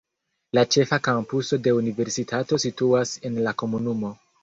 La ĉefa kampuso de universitato situas en la komunumo.